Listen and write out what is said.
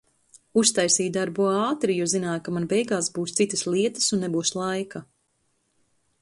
Uztaisīju darbu ātri, jo zināju, ka man beigās būs citas lietas un nebūs laika.